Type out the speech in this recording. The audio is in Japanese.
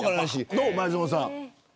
どう、前園さん。